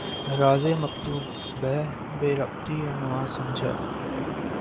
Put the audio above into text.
رازِ مکتوب بہ بے ربطیٴ عنواں سمجھا